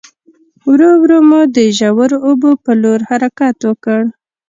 ورو ورو مو د ژورو اوبو په لور حرکت وکړ.